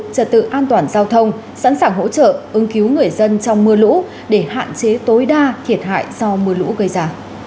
trật tự an toàn giao thông sẵn sàng hỗ trợ ứng cứu người dân trong mưa lũ để hạn chế tối đa thiệt hại do mưa lũ gây ra